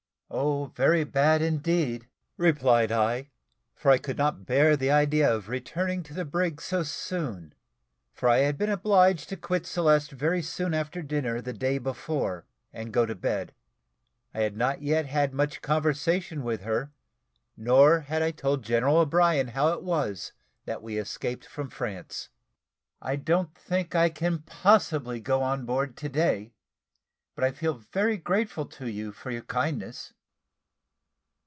"Oh, very bad, indeed," replied I; for I could not bear the idea of returning to the brig so soon, for I had been obliged to quit Celeste very soon after dinner the day before, and go to bed. I had not yet had much conversation with her, nor had I told General O'Brien how it was that we escaped from France. "I don't think I can possibly go on board to day, but I feel very grateful to you for your kindness."